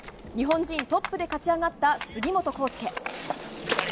日本人トップで勝ち上がった杉本幸祐。